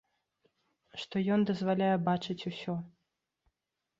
Што ён дазваляе бачыць усё.